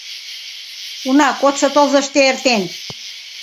Уна кодшо тылзыште эртен...